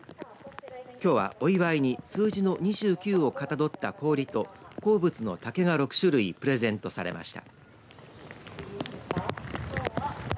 きょうは、お祝いに数字の２９をかたどった氷と好物の竹が６種類プレゼントされました。